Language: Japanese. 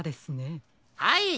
はい。